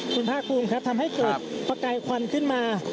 คุณภาคภูมิครับทำให้เกิดประกายควันขึ้นมา